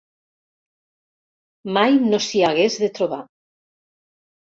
Mai no s'hi hagués de trobar.